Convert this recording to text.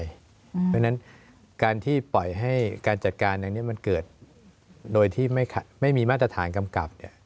เพราะฉะนั้นการที่ปล่อยให้การจัดการอย่างนี้มันเกิดโดยที่ไม่มีมาตรฐานกำกับ